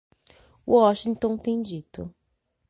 Washington tem dito